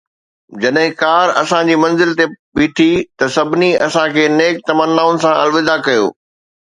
جڏهن ڪار اسان جي منزل تي بيٺي ته سڀني اسان کي نيڪ تمنائن سان الوداع ڪيو